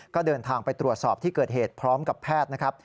ก็เดินทางไปตรวจสอบที่เกิดเหตุพร้อมกับแพทย์นะครับ